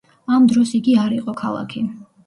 ამ დროს იგი არ იყო ქალაქი.